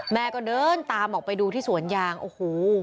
แม่ก็เดินตามออกไปดูที่สวนยางโอ้โห